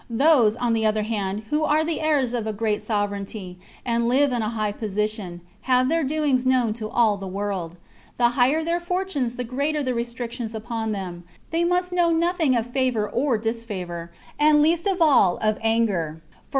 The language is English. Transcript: Those, on the other hand, who are the heirs of a great sovereignty, and live in a high, position, have their doings known to all the world, j^he higher their fortunes the greater the restrictions^ upon them; they must know nothing of favour or disfavour, and least of all of anger ; for